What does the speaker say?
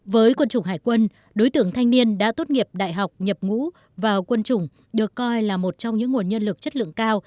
với quân chủng hải quân đối tượng thanh niên đã tốt nghiệp đại học nhập ngũ vào quân chủng được coi là một trong những nguồn nhân lực chất lượng cao